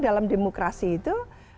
dalam demokrasi itu